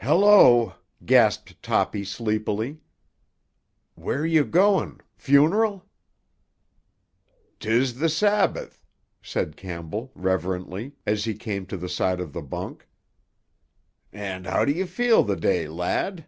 "Hello!" gasped Toppy sleepily. "Where you going—funeral?" "'Tis the Sabbath," said Campbell reverently, as he came to the side of the bunk. "And how do ye feel the day, lad?"